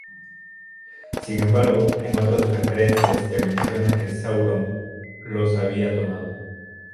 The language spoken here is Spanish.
Sin embargo, en otras referencias, se menciona que Sauron los había tomado.